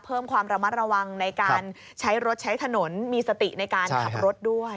เพิ่มความระมัดระวังในการใช้รถใช้ถนนมีสติในการขับรถด้วย